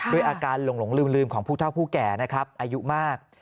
ด้วยอาการหลงลืมของผู้เท่าผู้แก่นะครับอายุมาก